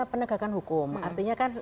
penegakan hukum artinya kan